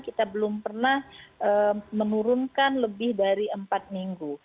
kita belum pernah menurunkan lebih dari empat minggu